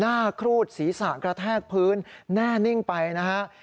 ครูดศีรษะกระแทกพื้นแน่นิ่งไปนะฮะ